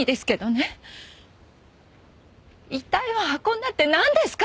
遺体を運んだってなんですか？